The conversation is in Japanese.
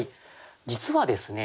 実はですね